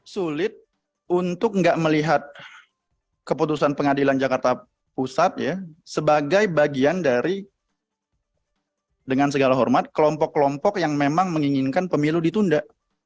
sulit untuk tidak melihat keputusan pengadilan jakarta pusat ya sebagai bagian dari dengan segala hormat kelompok kelompok yang memang menginginkan pemilu ditunda